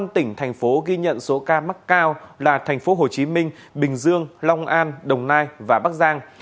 năm tỉnh thành phố ghi nhận số ca mắc cao là thành phố hồ chí minh bình dương long an đồng nai và bắc giang